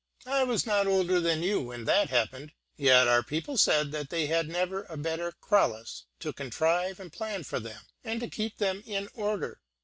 I was not older than you when that happened; yet our people said they had never a better krallis to contrive and plan for them, and to keep them in order.